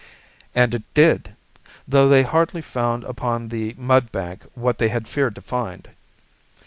"And it did, though they hardly found upon the mud bank what they had feared to find.